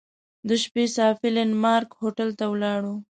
د شپې صافي لینډ مارک هوټل ته ولاړو.